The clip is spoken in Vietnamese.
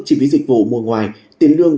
chi phí dịch vụ mua ngoài tiền lương